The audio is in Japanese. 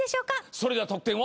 それでは得点を。